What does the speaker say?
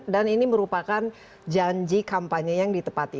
dan ini merupakan janji kampanye yang ditepati